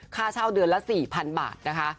ค่าเช่าเดือนละ๔๐๐๐บาทนะคะ